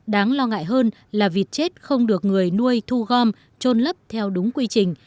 đáng lo ngại hơn là vịt chết không được người nuôi thu gom trôn lấp theo đúng quy trình